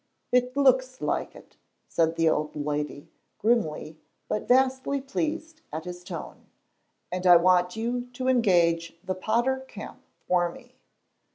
"It looks like it," said the old lady, grimly, but vastly pleased at his tone, "and I want you to engage the Potter Camp for me."